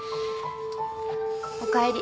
おかえり。